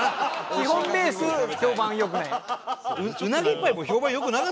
基本ベース評判良くない。